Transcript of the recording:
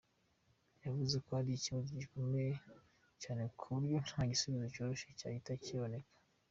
Yavuze ko ari ikibazo gikomeye cyane ku buryo nta gisubizo cyoroshye cyahita kiboneka.